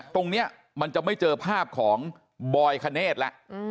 ตรงนี้มันจะไม่เจอภาพของบอยคเนธแล้ว